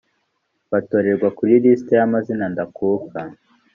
batorerwa kuri lisiti y amazina ndakuka